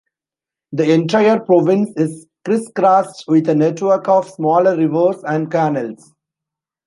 The entire province is criss-crossed with a network of smaller rivers and canals.